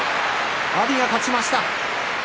阿炎が勝ちました。